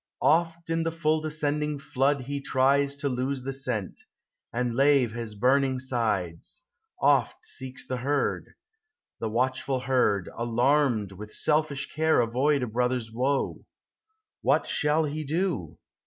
Oft in the full descending flood he tries To lose the scent, and lave his burning sides; — Oft seeks the herd; the watchful herd, alarmed, With selfish care avoid a brother's woe. What shall he do?